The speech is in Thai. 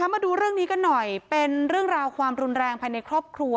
มาดูเรื่องนี้กันหน่อยเป็นเรื่องราวความรุนแรงภายในครอบครัว